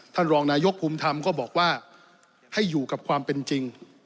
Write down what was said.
ท่านรองนายกภูมิธรรมก็บอกว่าให้อยู่กับความเป็นจริง